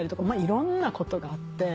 いろんなことがあって。